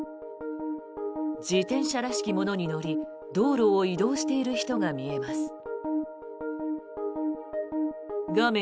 自転車らしきものに乗り道路を移動している人が見えます。